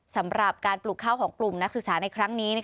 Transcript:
สำหรับการปลูกข้าวของกลุ่มนักศึกษาในครั้งนี้